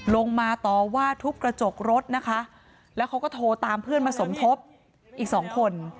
ลงมาต่อว่าทุบกระจกรถนะคะแล้วเขาก็โทรตามเพื่อนมาสมทบอีกสองคน